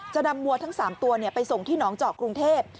จะนำวัวทั้ง๓ตัวไปส่งที่หนองเจาะกรุงเทพ